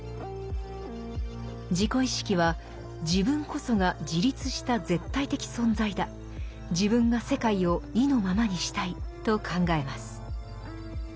自己意識は「自分こそが自立した絶対的存在だ自分が世界を意のままにしたい」と考えます。